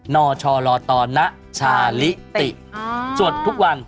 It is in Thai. นอชอลอตอนนะชาลิติสวดทุกวัน